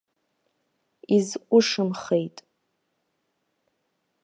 Изҟәышымхеит.